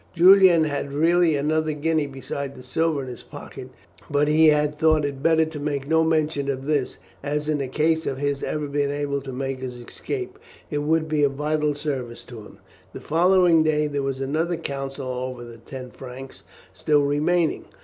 Julian had really another guinea besides the silver in his pocket, but he had thought it better to make no mention of this, as in case of his ever being able to make his escape, it would be of vital service to him. The following day there was another council over the ten francs still remaining.